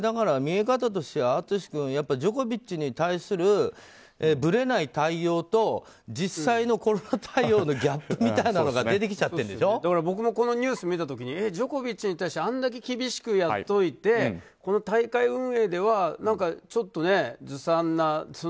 見え方としては淳君、やっぱりジョコビッチに対するぶれない対応と実際のコロナ対応のギャップみたいなものが僕もこのニュースを見た時にジョコビッチに対してあんだけ厳しくやっといてこの大会運営ではちょっとずさんな。